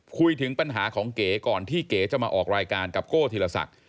คุยถึงปัญหาของเก๋ก่อนที่เก๋จะมาออกรายการกับโก้ธีรศักดิ์